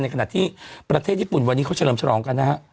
ขณะที่ประเทศญี่ปุ่นวันนี้เขาเฉลิมฉลองกันนะฮะ